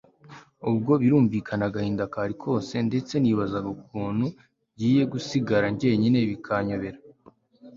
ubwo birumvikana agahinda kari kose ndetse nibazaga ukuntu ngiye gusigara njyenyine bikanyobera